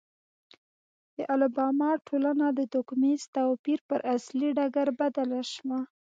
د الاباما ټولنه د توکمیز توپیر پر اصلي ډګر بدله شوه.